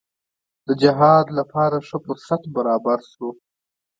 د جهاد لپاره ښه فرصت برابر شو.